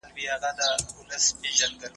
زه به سبا د کتابتون کار کوم!؟